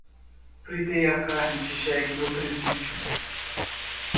fritei carne de jegue no presídio